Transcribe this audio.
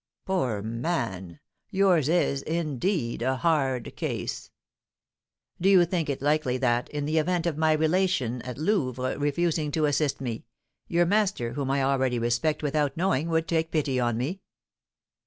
"Poor man! yours is, indeed, a hard case." "Do you think it likely that, in the event of my relation at Louvres refusing to assist me, your master, whom I already respect without knowing, would take pity on me?"